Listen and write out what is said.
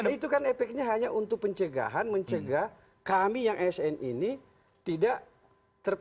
itu kan efeknya hanya untuk pencegahan mencegah kami yang asn ini tidak terpenga